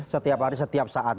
setiap hari setiap saat